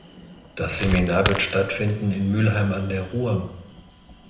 Das Seminar wird stattfinden in Mülheim an der Ruhr.